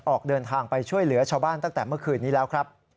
ออกเดินทางไปช่วยเหลือชาวบ้านตั้งแต่เมื่อคืนนี้แล้วครับ